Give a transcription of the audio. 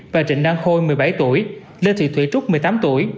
và trịnh đăng khôi một mươi bảy tuổi lê thị thủy trúc một mươi tám tuổi